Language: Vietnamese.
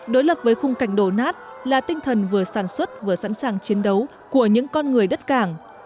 đối lập với khung cảnh đổ nát là tinh thần vừa sản xuất vừa sẵn sàng chiến đấu của những con người đất cảng